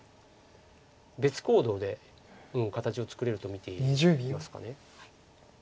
別行動で形を作れると見てますか。